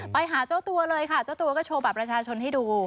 ไปหาเจ้าตัวเลยค่ะเจ้าตัวก็โชว์บัตรประชาชนให้ดู